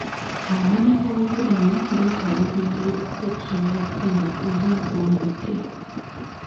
Abanoonyi b'obubudami beetaaga okuyambibwako okusobola okufuna obutuuze mu ggwanga eppya.